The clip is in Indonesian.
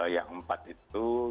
yang empat itu